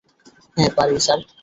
হ্যাঁ, পারি স্যার।